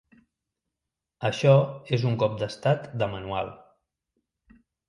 Això és un cop d’estat de manual.